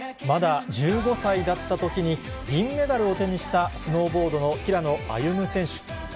まだ１５歳だったときに、銀メダルを手にしたスノーボードの平野歩夢選手。